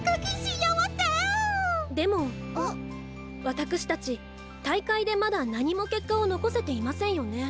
わたくしたち大会でまだ何も結果を残せていませんよね。